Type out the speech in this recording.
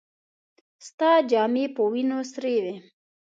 ستا جامې په وينو سرې وې.